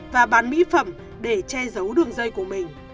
và bán mỹ phẩm để che giấu đường dây của mình